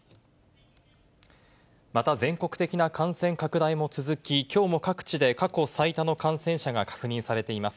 また全国的な感染拡大も続き、きょうも各地で過去最多の感染者が確認されています。